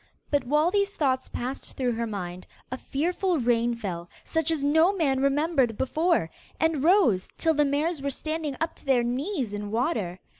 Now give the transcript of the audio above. But while these thoughts passed through her mind, a fearful rain fell, such as no man remembered before, and rose till the mares were standing up to their knees in water.